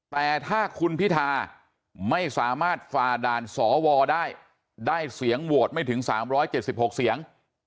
แต่ถ้าคุณพิธาไม่สามารถฝ่าด่านสวได้ได้เสียงโหวตไม่ถึง๓๗๖เสียง